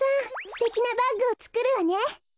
すてきなバッグをつくるわね。